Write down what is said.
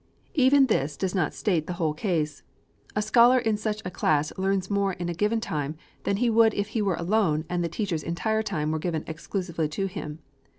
Even this does not state the whole case. A scholar in such a class learns more in a given time, than he would if he were alone and the teacher's entire time were given exclusively to him.